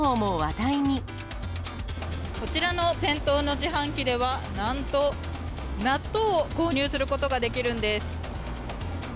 こちらの店頭の自販機では、なんと納豆を購入することができるんです。